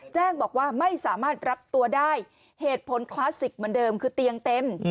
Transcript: แจ้งบอกว่าไม่สามารถรับตัวได้เหตุผลคลาสสิกเหมือนเดิมคือเตียงเต็ม